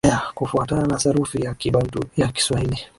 haya kufuatana na sarufi ya Kibantu ya Kiswahili